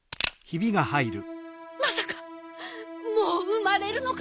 まさかもううまれるのかしら？